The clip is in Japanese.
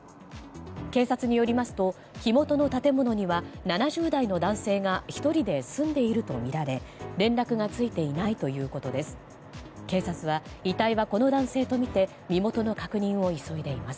警察によりますと火元の建物には７０代の男性が１人で住んでいるとみられ連絡がついていないということです。